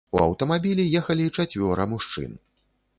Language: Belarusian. У аўтамабілі ехалі чацвёра мужчын.